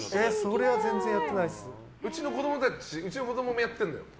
うちの子供もやってるんだよ。